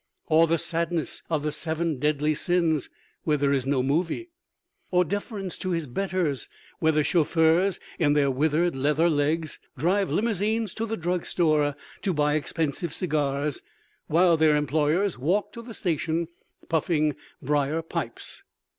Or the sadness of the seven deadly sins where there is no movie? Or deference to his betters where the chauffeurs, in their withered leather legs, drive limousines to the drug store to buy expensive cigars, while their employers walk to the station puffing briar pipes?